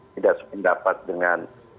tidak sependapat dengan